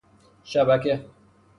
شبکه